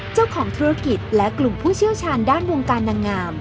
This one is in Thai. เจ้าของธุรกิจและกลุ่มผู้เชี่ยวชาญด้านวงการนางงาม